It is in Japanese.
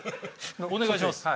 お願いします。